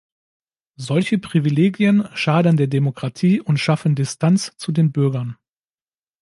Solche Privilegien schaden der Demokratie und schaffen Distanz zu den Bürgern.